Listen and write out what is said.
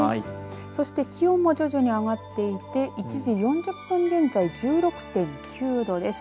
そして気温も徐々に上がっていて１時４０分現在１６．９度です。